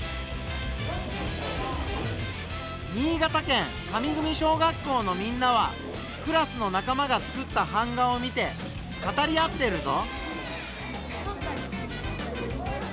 新潟県上組小学校のみんなはクラスの仲間が作った版画を見て語り合ってるぞ。